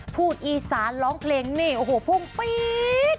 อีสานร้องเพลงนี่โอ้โหพุ่งปี๊ด